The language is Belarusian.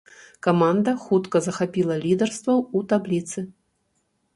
Каманда хутка захапіла лідарства ў табліцы.